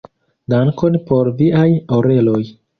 Dankon por Viaj oreloj.